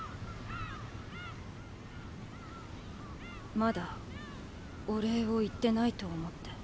まだお礼を言ってないと思って。